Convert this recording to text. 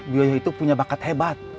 bu yoyo itu punya bakat hebat